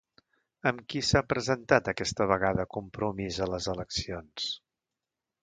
Amb qui s'ha presentat aquesta vegada Compromís a les eleccions?